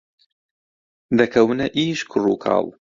دەکەونە ئیش کوڕ و کاڵ